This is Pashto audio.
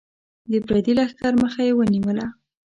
د پردي لښکر مخه یې ونیوله.